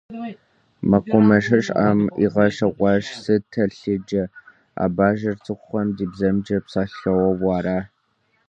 МэкъумэшыщӀэм игъэщӀэгъуащ: - Сыт телъыджэ! А бажэр цӀыхухэм ди бзэмкӀэ псэлъауэ ара?